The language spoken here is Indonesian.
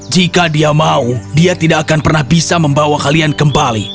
jika dia mau dia tidak akan pernah bisa membawa kalian kembali